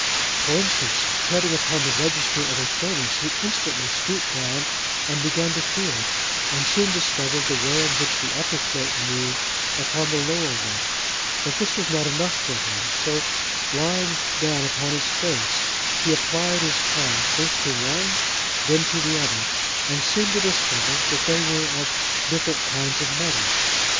For instance, treading upon the register of a furnace, he instantly stooped down, and began to feel it, and soon discovered the way in which the upper plate moved upon the lower one; but this was not enough for him, so lying down upon his face, he applied his tongue first to one, then to the other, and seemed to discover that they were of different kinds of metal.